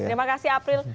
terima kasih april